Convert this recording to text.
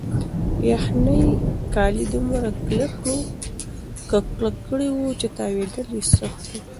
یخنۍ کالي دومره کلک کړي وو چې تاوېدل یې سخت وو.